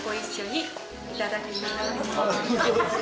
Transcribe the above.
いただきます。